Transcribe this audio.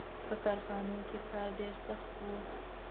• په کارخانو کې کار ډېر سخت و.